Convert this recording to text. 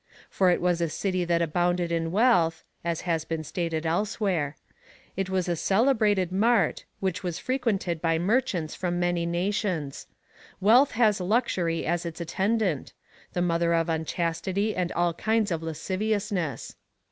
For it was a city that abounded in wealth, (as has been stated elsewhere.)^ It was a celebrated mart, which was frequented by merchants from many nations. Wealth has luxury as its attendant — the mother of unchastity and all kinds of lasciviousness.